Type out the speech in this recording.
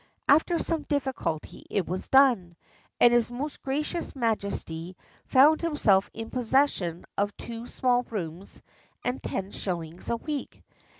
After some difficulty it was done, and his most gracious Majesty found himself in possession of two small rooms and ten shillings a week.